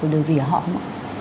được điều gì ở họ không ạ